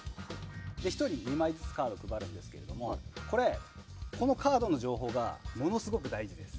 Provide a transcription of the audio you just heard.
１人２枚ずつカードを配るんですがこれ、このカードの情報がものすごく大事です。